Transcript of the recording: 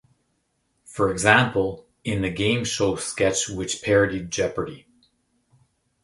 For example, in the game show sketch which parodied Jeopardy!